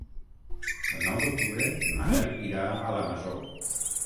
El nou d'octubre en Manel irà a la Masó.